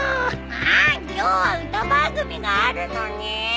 ああ今日は歌番組があるのに！